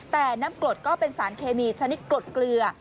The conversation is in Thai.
แต่น้ำกรดก็เป็นสารเคมีชนิดกรดเกลือ